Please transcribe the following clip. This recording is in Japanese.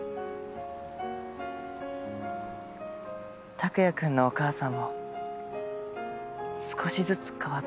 タクヤくんのお母さんも少しずつ変わってくれたら。